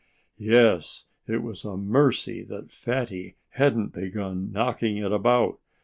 Yes it was a mercy that Fatty hadn't begun knocking it about.